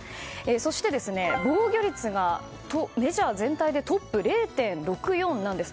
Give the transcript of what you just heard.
そして、防御率がメジャー全体でトップ０．６４なんです。